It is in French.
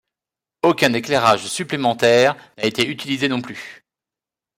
Aucun éclairage supplémentaire n’a été utilisé non plus.